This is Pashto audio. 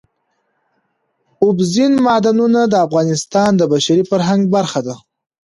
اوبزین معدنونه د افغانستان د بشري فرهنګ برخه ده.